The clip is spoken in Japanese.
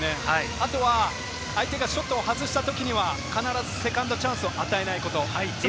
あとは相手がショットを外した時にはセカンドチャンスを与えないこと。